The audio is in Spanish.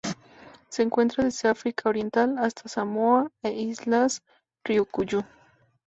Se encuentra desde África Oriental hasta Samoa e islas Ryukyu.